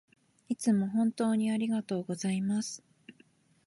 いつも本当にありがとうございます